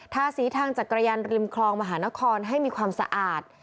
ทาสีทางจักรยานริมคลองมหานครให้มีความสะอาด